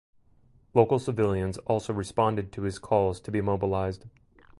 Local civilians also responded to his calls to be mobilized.